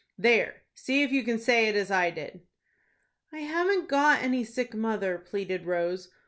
"There, see if you can say it as I did." "I haven't got any sick mother," pleaded Rose.